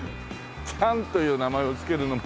「ちゃん」という名前を付けるのも。